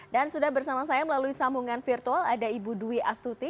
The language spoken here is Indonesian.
dan sudah bersama saya melalui sambungan virtual ada ibu dwi astuti